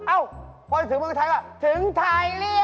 อ้าวพอถึงเมืองไทยก็ถึงไทยเรียว